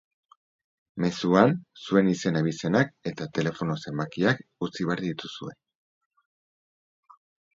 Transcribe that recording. Mezuan, zuen izen-abizenak eta telefono-zenbakiak utzi behar dituzue.